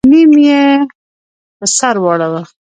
نيم يې په سر واړوه.